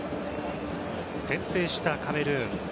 先制したカメルーン。